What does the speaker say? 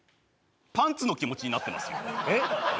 パンツの気持ちになってますよえっ？